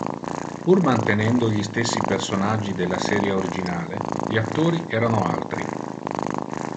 Pur mantenendo gli stessi personaggi della serie originale, gli attori erano altri.